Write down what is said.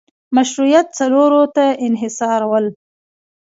مشروعیت څلورو ته انحصارول